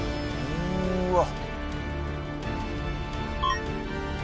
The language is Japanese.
うーわっ！